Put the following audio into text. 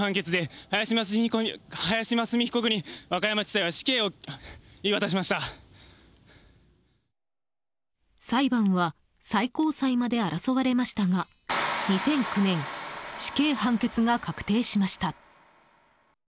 裁判は最高裁まで争われましたが２００９年死刑判決が確定しました。